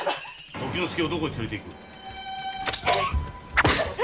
時之介をどこへ連れていく？